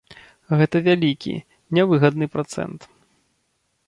Гэта вялікі, нявыгадны працэнт.